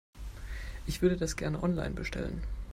Ich würde das gerne online bestellen.